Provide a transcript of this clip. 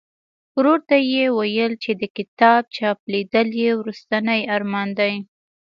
ورور ته یې ویل چې د کتاب چاپ لیدل یې وروستنی ارمان دی.